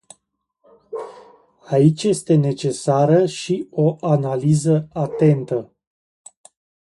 Aici este necesară și o analiză atentă.